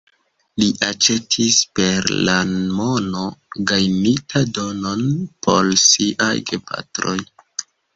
Li aĉetis, per la mono gajnita, domon por siaj gepatroj.